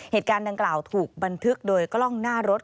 เหตุการณ์ดังกล่าวถูกบันทึกโดยกล้องหน้ารถ